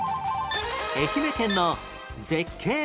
愛媛県の絶景問題